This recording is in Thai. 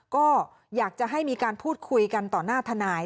ก็อยากจะให้มีการพูดคุยกันต่อหน้าทนาย